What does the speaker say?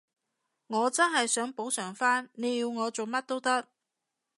我真係想補償返，你要我做乜都得